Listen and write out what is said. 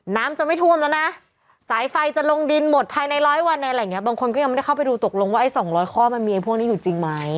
น้ำจะไม่ท่วมแล้วนะสายไฟจะลงดินหมดภายในร้อยวันอะไรอย่างเงี้บางคนก็ยังไม่ได้เข้าไปดูตกลงว่าไอ้สองร้อยข้อมันมีพวกนี้อยู่จริงไหม